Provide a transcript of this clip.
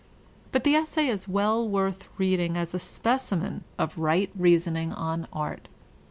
But the essay is well worth reading as a specimcQ of right reasoning on art.